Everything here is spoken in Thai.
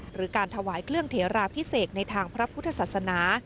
หรือการถวายเครื่องเทราพิเศษในทางพระพุทธศาสนา